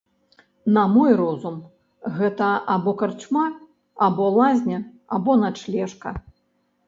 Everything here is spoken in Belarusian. На мой розум, гэта або карчма, або лазня, або начлежка.